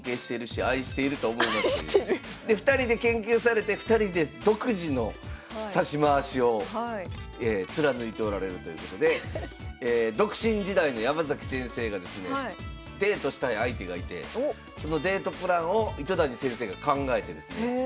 で２人で研究されて２人で独自の指し回しを貫いておられるということで独身時代の山崎先生がですねデートしたい相手がいてそのデートプランを糸谷先生が考えてですね